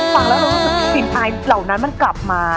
ฝากแล้วรู้สึกที่สินอายเหล่านั้นมันกลับมา